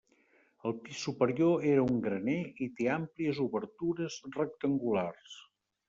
El pis superior era un graner i té àmplies obertures rectangulars.